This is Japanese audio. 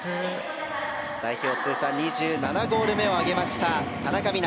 代表通算２７ゴール目を挙げました田中美南。